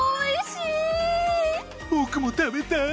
僕も食べたい！